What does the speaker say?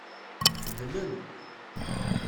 Dlen.